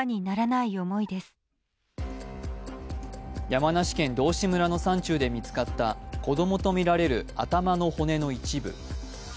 山梨県道志村の山中で見つかった子供とみられる頭の骨の一部。